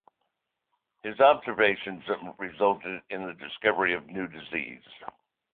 His observations resulted in the discovery of new diseases.